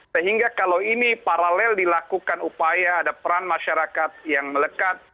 sehingga kalau ini paralel dilakukan upaya ada peran masyarakat yang melekat